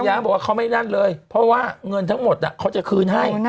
เขาบอกว่าเขาไม่นั่นเลยเพราะว่าเงินทั้งหมดเขาจะคืนให้